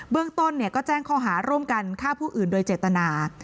เรื่องต้นก็แจ้งข้อหาร่วมกันฆ่าผู้อื่นโดยเจตนา